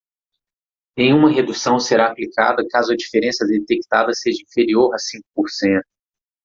Nenhuma redução será aplicada caso a diferença detectada seja inferior a cinco por cento.